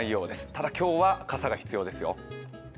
ただ、今日は傘が必要ですよ。